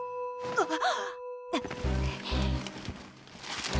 あっ！